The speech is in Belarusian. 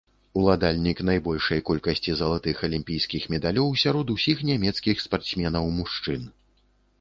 Уладальнік найбольшай колькасці залатых алімпійскіх медалёў сярод усіх нямецкіх спартсменаў-мужчын.